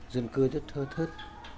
dân cư rất thơ thớt